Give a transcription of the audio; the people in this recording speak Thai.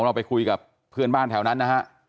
เราไปคุยกับเพื่อนบ้านแถวนั้นนะฮะ